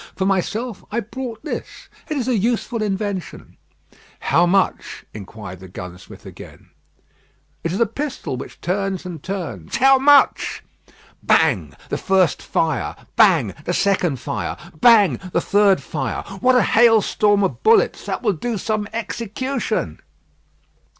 For myself I brought this. It is a useful invention." "How much?" inquired the gunsmith again. "It is a pistol which turns and turns." "How much?" "Bang! the first fire. Bang! the second fire. Bang! the third fire. What a hailstorm of bullets! That will do some execution."